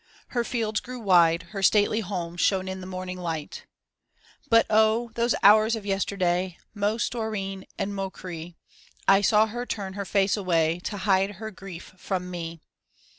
Her fields grew wide, her stately home shone in the morning light. But oh, those hours of yesterday, mo storeen and mo crie, I saw her turn her face away to hide her grief from me.